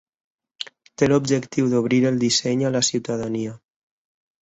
Té l’objectiu d’obrir el disseny a la ciutadania.